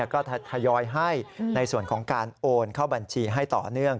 ก็ทยอยให้ในส่วนของการโอนเข้าบัญชีให้ต่อเนื่อง